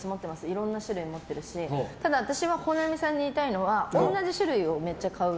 いろんな種類持ってるしただ私は本並さんに言いたいのは同じ種類をめっちゃ買う。